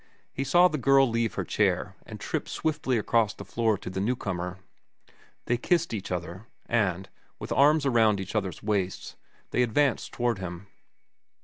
He saw the girl leave her chair and trip swiftly across the floor to the newcomer. They kissed each other, and, with arms around each other's waists, they advanced toward him.